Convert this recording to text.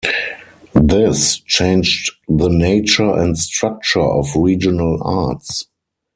This changed the nature and structure of regional arts.